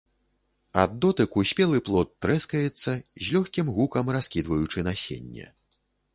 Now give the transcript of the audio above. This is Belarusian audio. Ад дотыку спелы плод трэскаецца с лёгкім гукам раскідваючы насенне.